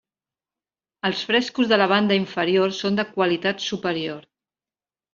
Els frescos de la banda inferior són de qualitat superior.